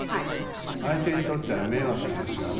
相手にとっては迷惑ですよね。